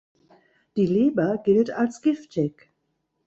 Die Leber gilt als giftig.